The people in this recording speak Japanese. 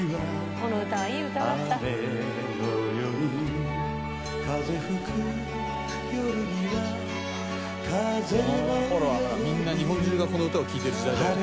「この頃はまだみんな日本中がこの歌を聴いてる時代だよね」